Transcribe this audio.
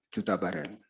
delapan delapan juta bareng